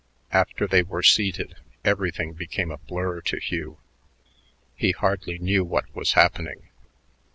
After they were seated, everything became a blur to Hugh. He hardly knew what was happening.